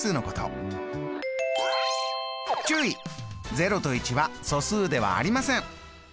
０と１は素数ではありません！